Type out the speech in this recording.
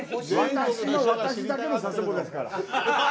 私だけの佐世保ですから。